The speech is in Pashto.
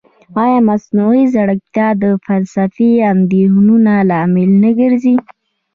ایا مصنوعي ځیرکتیا د فلسفي اندېښنو لامل نه ګرځي؟